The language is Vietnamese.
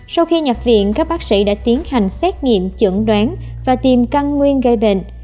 sau khi nhập viện các bác sĩ đã tiến hành xét nghiệm chẩn đoán và tìm căn nguyên gây bệnh